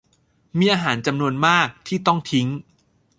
มีอาหารจำนวนมากที่ต้องทิ้ง